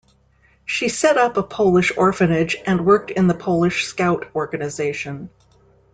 She set up a Polish orphanage, and worked in the Polish Scout organization.